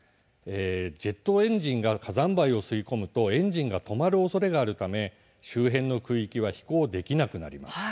ジェットエンジンが火山灰を吸い込むとエンジンが止まるおそれがあるため周辺の空域は飛行できなくなります。